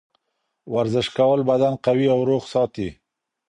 ورزش کول بدن قوي او روغ ساتي.